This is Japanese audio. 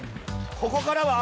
「ここからは」